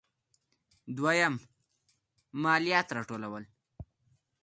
دویم: مالیات راټولول.